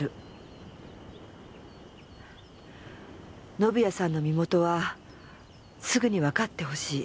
宣也さんの身元はすぐにわかってほしい。